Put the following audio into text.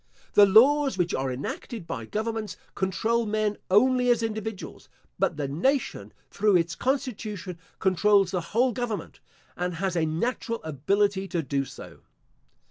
The laws which are enacted by governments, control men only as individuals, but the nation, through its constitution, controls the whole government, and has a natural ability to do so.